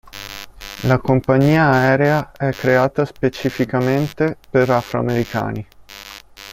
La compagnia aerea è creata specificamente per afro-americani.